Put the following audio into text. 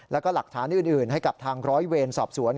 แล้วก็หลักฐานอื่นให้กับทางร้อยเวรสอบสวน